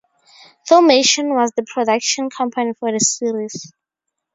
Filmation was the production company for the series.